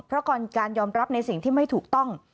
เพราะการยอมรับในสิ่งที่ไม่ถูกต้อง